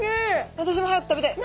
私も早く食べたい！